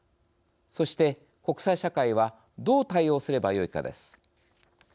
そして、国際社会はどう対応すればよいかです。